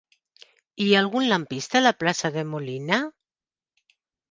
Hi ha algun lampista a la plaça de Molina?